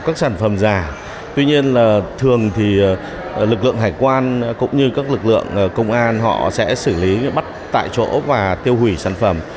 công an cũng như các lực lượng công an họ sẽ xử lý bắt tại chỗ và tiêu hủy sản phẩm